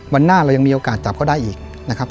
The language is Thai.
หน้าเรายังมีโอกาสจับเขาได้อีกนะครับ